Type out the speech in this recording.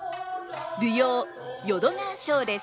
舞踊「淀川抄」です！